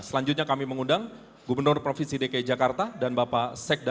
selanjutnya kami mengundang gubernur provinsi dki jakarta dan bapak sekda